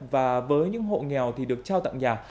và với những hộ nghèo thì được trao tặng nhà